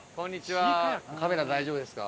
カメラ大丈夫ですか？